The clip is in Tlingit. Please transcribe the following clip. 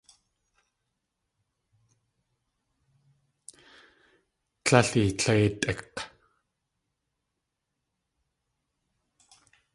Líl eetléitʼik̲!